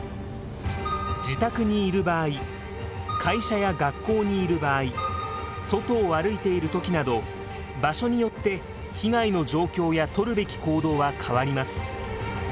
自宅にいる場合会社や学校にいる場合外を歩いている時など場所によって被害の状況や取るべき行動は変わります。